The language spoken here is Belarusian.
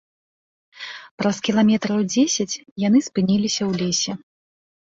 Праз кіламетраў дзесяць яны спыніліся ў лесе.